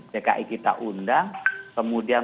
dki kita undang kemudian